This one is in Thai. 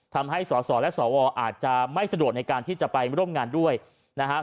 ทำให้สสและสวอาจจะไม่สะดวกในการที่จะไปร่วมงานด้วยนะครับ